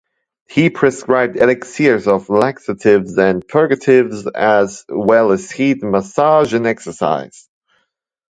He prescribed elixirs of laxatives and purgatives, as well as heat, massage, and exercise.